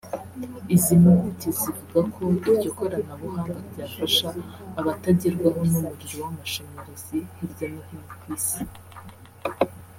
Izi mpuguke zivuga ko iryo koranabuhanga ryafasha abatagerwaho n’umuriro w’amashanyarazi hirya no hino ku Isi